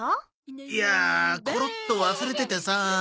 いやーコロッと忘れててさー。